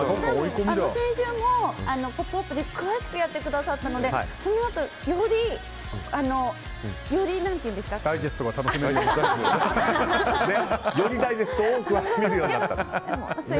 先週も「ポップＵＰ！」で詳しくやってくださったのでダイジェストが楽しめるように？